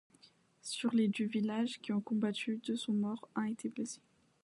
Sur les du village qui ont combattu, deux sont morts, un a été blessé.